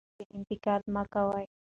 یوازې انتقاد مه کوئ.